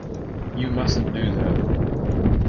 You mustn’t do that.